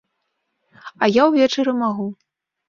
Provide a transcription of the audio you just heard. А я ўвечары магу.